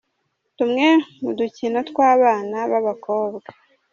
Tumwe mu dukino tw’abana b’abakobwa